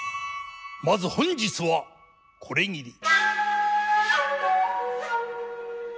まず本日はこれぎり。